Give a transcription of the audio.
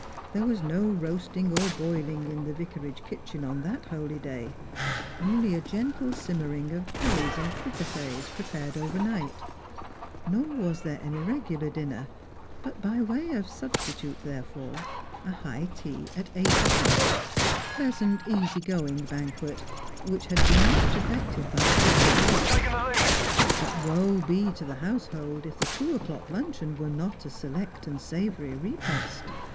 There was no roasting Strangers and Piljrims. 9S or boiling in the vicarage kitchen on that holy day, only a gentle simmering of curries and fricassees, prepared overnight; nor was there any regular dinner, but by way of substitute therefor, a high tea at eight o'clock, a pleasant easy going banquet, which hai been much afi'ected by former curates. But woe be to the household if the two o'clock luncheon were not a select and savoury repast!